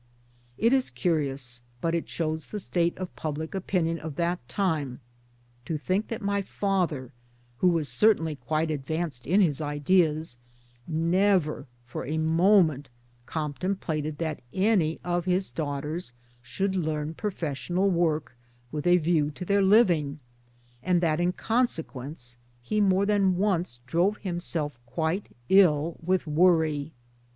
It is curious but it shows the state of public opinion of that time to think that my father, who was certainly quite advanced in his ideas, never for a moment contemplated that any of his daughters should learn professional work with a view to their living and that in consequence he more than once drove himself quite ill with worry.